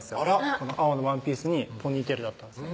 この青のワンピースにポニーテールだったんです